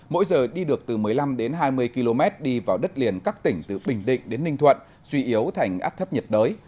mỗi giờ đi được từ một mươi năm đến hai mươi km đi vào đất liền các tỉnh từ bình định đến ninh thuận suy yếu thành áp thấp nhiệt đới